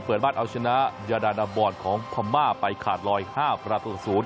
เปิดบ้านเอาชนะยาดานาบอนของพม่าไปขาดลอย๕ประตู๐